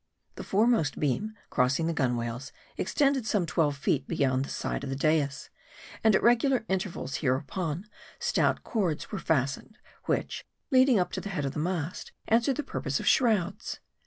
The foremost beam, crossing the gunwales, extended some twelve feet beyond the side of the dais ; and at regular in tervals hereupon, stout cords were fastened, which, leading up to the head of the mast, answered the purpose of shrouds.